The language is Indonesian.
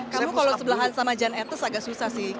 kamu kalau sebelahan sama jan etes agak susah sih